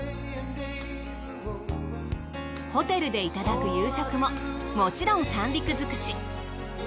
ホテルでいただく夕食ももちろん三陸づくし。